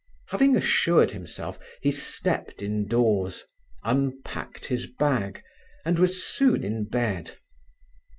Having assured himself, he stepped indoors, unpacked his bag, and was soon in bed.